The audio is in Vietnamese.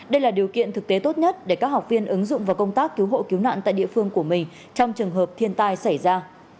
đây là điều kiện thực tế tốt nhất để các học viên ứng dụng vào công tác cứu hộ cứu nạn tại địa phương của mình trong trường hợp thiên tai xảy ra